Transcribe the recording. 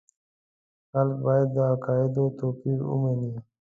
خلک باید د عقایدو توپیر ومني.